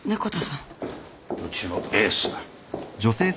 うちのエースだ。